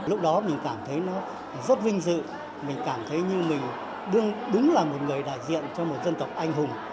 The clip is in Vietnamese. lúc đó mình cảm thấy nó rất vinh dự mình cảm thấy như mình đúng là một người đại diện cho một dân tộc anh hùng